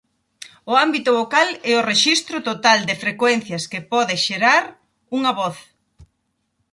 O ámbito vocal é o rexistro total de frecuencias que pode xerar unha voz.